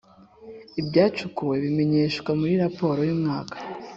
ibyacukuwe bimenyeshwa muri raporo y umwaka